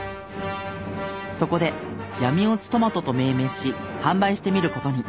そこで「闇落ちとまと」と命名し販売してみる事に。